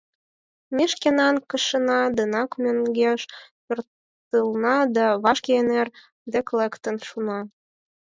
Ме шкенан кышана денак мӧҥгеш пӧртылна да вашке эҥер дек лектын шуна.